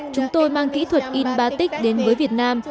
chúng tôi mang kỹ thuật in batic đến với việt nam